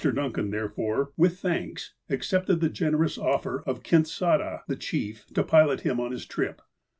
Duncan, therefore, with thanks accepted the gen erous offer of Kintsadah, the chief, to pilot him on his trip.